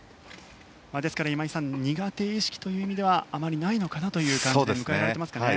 ですから、今井さん苦手意識という意味ではあまりないのかなという感じで迎えられていますかね。